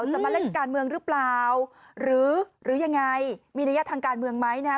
จะมาเล่นการเมืองหรือเปล่าหรือยังไงมีนัยยะทางการเมืองไหมนะฮะ